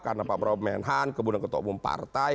karena pak prabowo memenangkan kebunan ketua umum partai